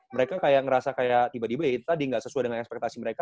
mereka kayak ngerasa kayak tiba tiba ya itu tadi nggak sesuai dengan ekspektasi mereka